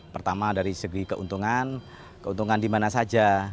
pertama dari segi keuntungan keuntungan di mana saja